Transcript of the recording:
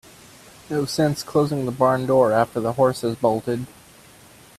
No sense closing the barn door after the horse has bolted.